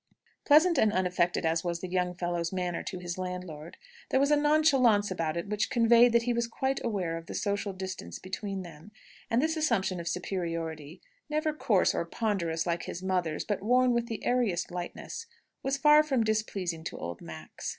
Pleasant and unaffected as was the young fellow's manner to his landlord, there was a nonchalance about it which conveyed that he was quite aware of the social distance between them. And this assumption of superiority never coarse or ponderous, like his mother's, but worn with the airiest lightness was far from displeasing to old Max.